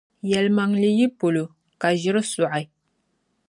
Yɛlimaŋli yi polo, ka ʒiri zo n-sɔɣi.